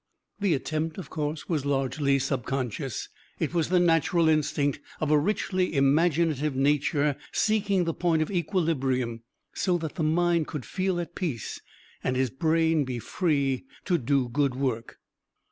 The attempt, of course, was largely subconscious. It was the natural instinct of a richly imaginative nature seeking the point of equilibrium, so that the mind could feel at peace and his brain be free to do good work.